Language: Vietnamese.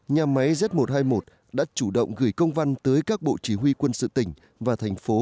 nhà máy z một trăm hai mươi một đã chủ động gửi công văn tới các bộ chỉ huy quân sự tỉnh và thành phố